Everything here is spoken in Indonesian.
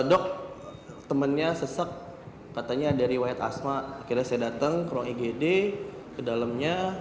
dok temennya sesak katanya dari wayat asma akhirnya saya datang ke ruang igd ke dalamnya